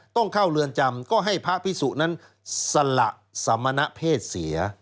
ต้องเข้าเรือนจำก็ให้พระพิสุนั้นสละสมณเพศเสีย